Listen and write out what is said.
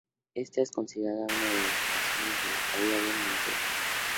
Esta es considerada una de las razones de la caída de Montero.